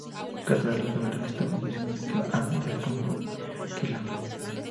Katara le pregunta que estaba diciendo, a lo que Aang responde que la ama.